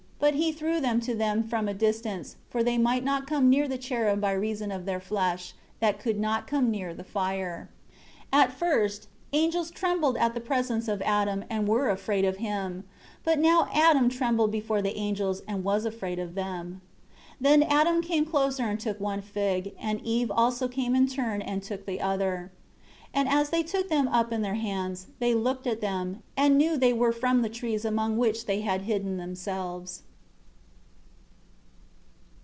But he threw them to them from a distance; for they might not come near the cherub by reason of their flesh, that could not come near the fire. 5 At first, angels trembled at the presence of Adam and were afraid of him. But now Adam trembled before the angels and was afraid of them. 6 Then Adam came closer and took one fig, and Eve also came in turn and took the other. 7 And as they took them up in their hands, they looked at them, and knew they were from the trees among which they had hidden themselves.